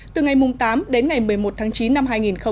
từ ngày tám đến ngày một mươi một tháng chín năm hai nghìn một mươi chín